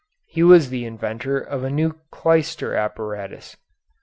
He was the inventor of a new clyster apparatus.